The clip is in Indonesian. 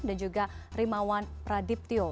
dan juga rimawan pradiptyo